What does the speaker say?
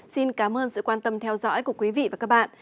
xin cảm ơn sự quan tâm theo dõi của quý vị và các bạn